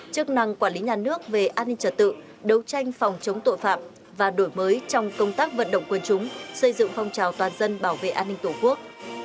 chức năng quản lý nhà nước về an ninh trật tự đấu tranh phòng chống tội phạm và đổi mới trong công tác vận động quân chúng xây dựng phong trào toàn dân bảo vệ an ninh tổ quốc